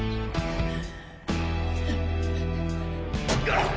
あっ！！